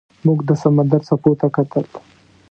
موږ د سمندر څپو ته کتل.